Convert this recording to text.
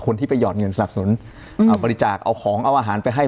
คนที่ไปหยอดเงินสนับสนุนเอาบริจาคเอาของเอาอาหารไปให้